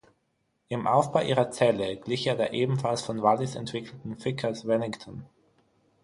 Im Aufbau ihrer Zelle glich er der ebenfalls von Wallis entwickelten Vickers Wellington.